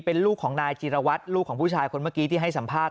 เป็นลูกของนายจีรวัตรลูกของผู้ชายคนเมื่อกี้ที่ให้สัมภาษ